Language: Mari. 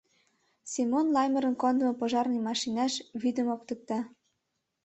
— Семон Лаймырын кондымо пожарный машинаш вӱдым оптыкта.